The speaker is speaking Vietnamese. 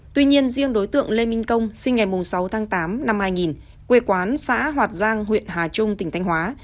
tuy nhiên riêng đối tượng lê minh công sinh ngày sáu tháng tám năm hai nghìn quê quán xã hoạt giang huyện hà trung tỉnh thanh hóa